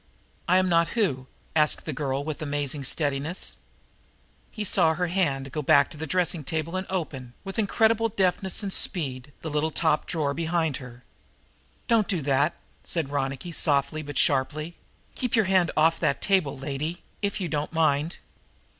"I am not who?" asked the girl with amazing steadiness. But he saw her hand go back to the dressing table and open, with incredible deftness and speed, the little top drawer behind her. "Don't do that!" said Ronicky softly, but sharply. "Keep your hand off that table, lady, if you don't mind."